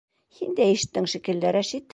Һин дә ишеттең шикелле, Рәшит.